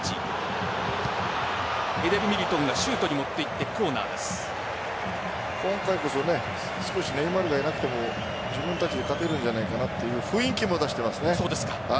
エデル・ミリトンがシュートに持っていって今回こそ少しネイマールがいなくても自分たちで勝てるんじゃないかなという雰囲気も出していますね。